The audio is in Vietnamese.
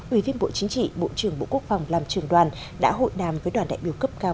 ủy viên bộ chính trị bộ trưởng bộ quốc phòng làm trường đoàn đã hội đàm với đoàn đại biểu cấp cao